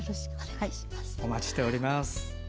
お待ちしております。